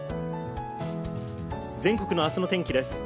全国の明日の天気です。